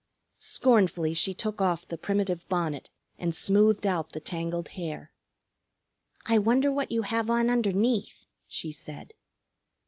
Scornfully she took off the primitive bonnet and smoothed out the tangled hair. "I wonder what you have on underneath," she said.